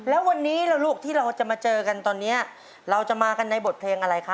แล้ววันนี้ล่ะลูกที่เราจะมาเจอกันตอนนี้เราจะมากันในบทเพลงอะไรคะ